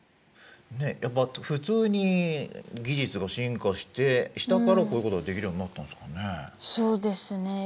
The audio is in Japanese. ねえやっぱ普通に技術が進化したからこういうことができるようになったんすかね。